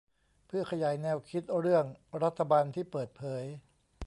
เพื่อขยายแนวคิดเรื่องรัฐบาลที่เปิดเผย